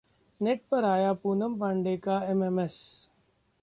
Net पर आया पूनम पांडे का एमएमएस!